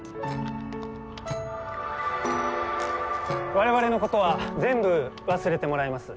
我々のことは全部忘れてもらいます。